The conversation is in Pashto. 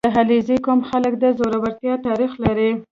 • د علیزي قوم خلک د زړورتیا تاریخ لري.